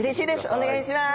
お願いします。